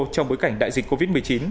trong bối cảnh đại dịch covid một mươi chín